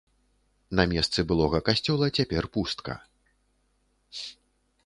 На месцы былога касцёла цяпер пустка.